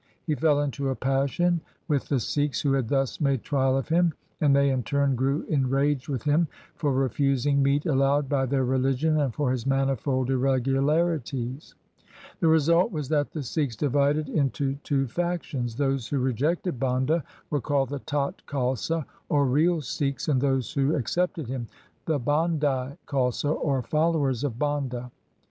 He fell into a passion with the Sikhs who had thus made trial of him, and they in turn grew enraged with him for refusing meat allowed by their religion and for his manifold irregu larities. The result was that the Sikhs divided into two factions. Those who rejected Banda were called the Tat Khalsa, or real Sikhs, and those who accepted him, the Bandai Khalsa or followers of Banda.